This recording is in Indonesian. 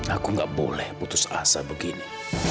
aku nggak boleh putus asa begini